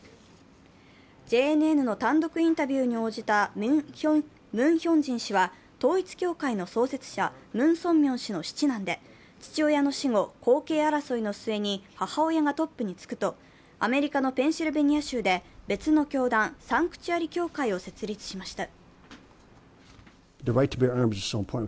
ＪＮＮの単独インタビューに応じたムン・ヒョンジン氏は統一教会の創設者、ムン・ソンミョン氏の七男で、父親の死後、後継争いの末に母親がトップに就くとアメリカのペンシルベニア州で別の教団・サンクチュアリ教会を設立しました。